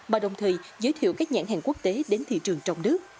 và đồng thời giới thiệu các nhãn hàng quốc tế đến thị trường trong nước